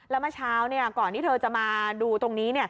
แล้วเมื่อเช้าก่อนที่เธอจะมาดูตรงนี้